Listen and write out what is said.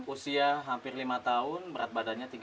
usia hampir lima tahun berat badannya tiga puluh lima kg